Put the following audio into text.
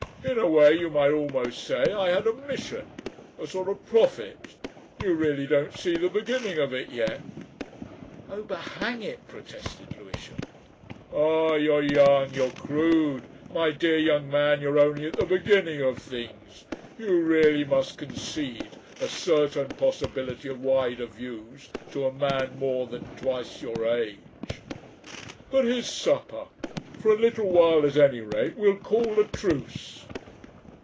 In a way you might almost say I had a mission. A sort of prophet. You really don't see the beginning of it yet." "Oh, but hang it!" protested Lewisham. "Ah! you're young, you're crude. My dear young man, you're only at the beginning of things. You really must concede a certain possibility of wider views to a man more than twice your age. But here's supper. For a little while at any rate we'll call a truce."